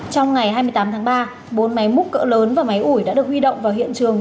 trong ngày hai mươi tám tháng ba bốn máy múc cỡ lớn và máy ủi đã được huy động vào hiện trường